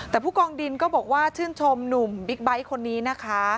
แต่ผู้กองดินก็บอกว่าชื่นชมหนุ่มบิ๊กไบท์คนนี้นะคะ